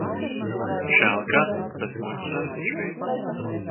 Žēl gan. Bet muļķis ar viņš bij.